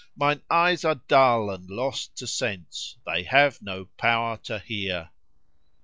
* Mine ears are dull and lost to sense: they have no power to hear!'"